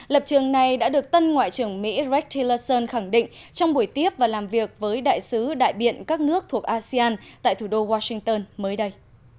lập trường này đã được tân ngoại trưởng mỹ rackillerson khẳng định trong buổi tiếp và làm việc với đại sứ đại biện các nước thuộc asean tại thủ đô washington mới đây